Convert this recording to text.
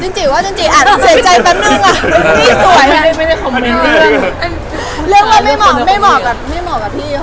แรงเหรอคะไม่สวย